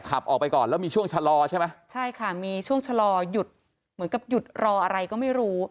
ขับออกไปก่อนแล้วมีช่วงชะลอใช่ไหมใช่ค่ะมีช่วงชะลอหยุดเหมือนกับหยุดรออะไรก็ไม่รู้